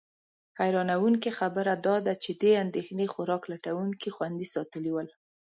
حیرانونکې خبره دا ده چې دې اندېښنې خوراک لټونکي خوندي ساتلي ول.